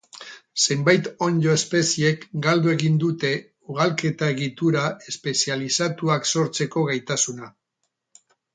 Zenbait onddo-espeziek galdu egin dute ugalketa-egitura espezializatuak sortzeko gaitasuna.